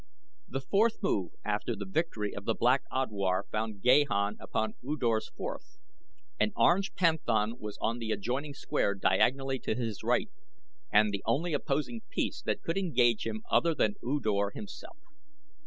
The fourth move after the victory of the Black Odwar found Gahan upon U Dor's fourth; an Orange Panthan was on the adjoining square diagonally to his right and the only opposing piece that could engage him other than U Dor himself.